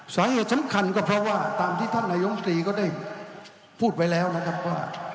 สาเหตุสำคัญก็เพราะว่าตามที่ท่านนายมตรีก็ได้พูดไว้แล้วนะครับว่า